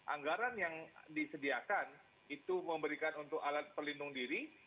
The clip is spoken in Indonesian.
anggaran yang disediakan itu memberikan untuk alat pelindung diri